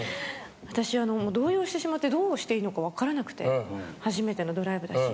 私動揺してしまってどうしていいのか分からなくて初めてのドライブだし。